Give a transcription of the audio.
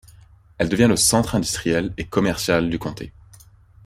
Elle devient le centre industriel et commercial du comté.